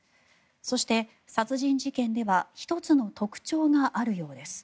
そして、殺人事件では１つの特徴があるようです。